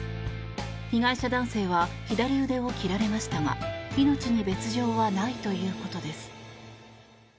被害者男性は左腕を切られましたが命に別条はないということです。